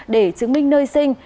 để chứng minh nơi sinh